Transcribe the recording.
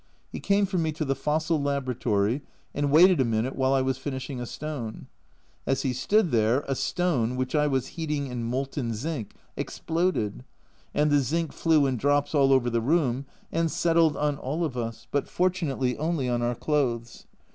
He came for me to the fossil laboratory, and waited a minute while I was finishing a stone. As he stood there, a stone, which I was heating in molten zinc, exploded, and the zinc flew in drops all over the room, and settled on all of us, but fortunately only on our clothes.